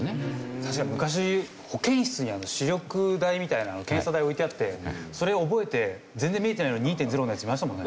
確かに昔保健室に視力台みたいなの検査台置いてあってそれを覚えて全然見えてないのに２．０のヤツいましたもんね。